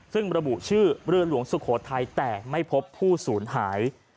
ซึ่งระบุชื่อเรือหลวงสุโขทัยแต่ไม่พบผู้สูญหาย